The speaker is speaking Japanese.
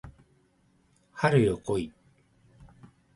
春よ来い